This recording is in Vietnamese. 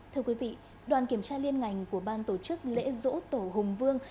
thưa quý vị đoàn kiểm tra liên ngành của ban tổ chức lễ dỗ tổ hùng vương